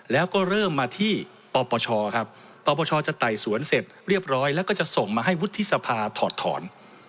แล้วก็เริ่มมาที่ปปชครับปปชจะไต่สวนเสร็จเรียบร้อยแล้วก็จะส่งมาให้วุฒิสภาถอดถอน